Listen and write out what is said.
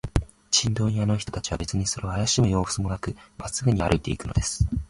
チンドン屋の人たちは、べつにそれをあやしむようすもなく、まっすぐに歩いていくのです。